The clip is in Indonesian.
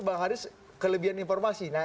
bang haris kelebihan informasi